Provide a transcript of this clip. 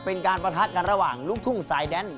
เป็นการประทะกันระหว่างลูกทุ่งสายแดน